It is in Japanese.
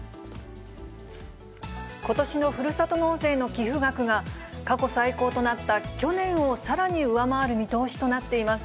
ことしのふるさと納税の寄付額が、過去最高となった去年をさらに上回る見通しとなっています。